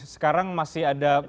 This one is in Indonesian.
sekarang masih ada